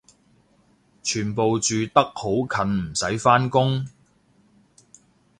全部住得好近唔使返工？